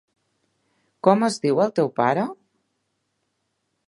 Com es diu el teu pare?